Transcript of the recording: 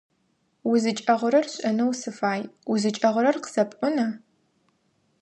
УзыкӀэгъырэр сшӀэнэу сыфай УзыкӀэгъырэр къысэпӀона?